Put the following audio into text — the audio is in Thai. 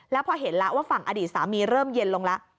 แล้วพอเห็นแล้วว่าฝั่งอดีตสามีเริ่มเย็นลงแล้ว